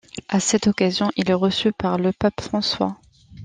À cette occasion, il est reçu par le pape François.